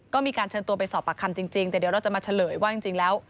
ก็มีการเชิญตัวไปสอบปากคำจริงแต่เดี๋ยวเราจะมาเฉลยว่าจริงแล้ว